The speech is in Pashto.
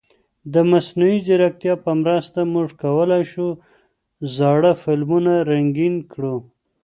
د مصنوعي ځیرکتیا په مرسته موږ کولای شو زاړه فلمونه رنګین کړو.